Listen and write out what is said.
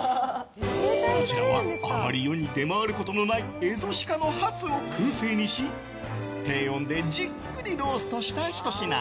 こちらはあまり世に出回ることのないエゾ鹿のハツを燻製にし低温でじっくりローストしたひと品。